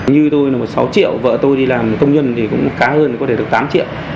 như tôi là một sáu triệu vợ tôi đi làm công nhân thì cũng cá hơn có thể được tám triệu